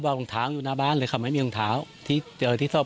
บอกดองเท้าอยู่หน้าบ้านเลยค่ะมันมีดองเท้าที่ที่ที่ศพ